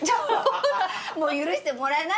もう許してもらえない？